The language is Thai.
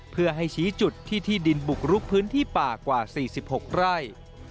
เพื่อให้ชี้จุดที่ที่ดินบุกลุกพื้นที่ป่ากว่า๔๖ไร่